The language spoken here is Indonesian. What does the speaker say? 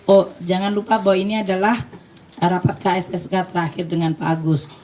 oh jangan lupa bahwa ini adalah rapat kssk terakhir dengan pak agus